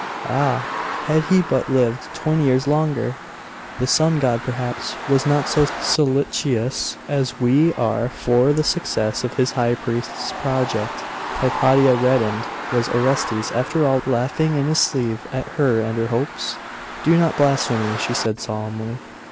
'Ah! had he but lived twenty years longer!' 'The Sun God, perhaps, was not so solicitous as we are for the success of his high priest's project.' Hypatia reddened was Orestes, after all laughing in his sleeve at her and her hopes? 'Do not blaspheme!' she said solemnly.